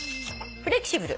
「フレキシブル」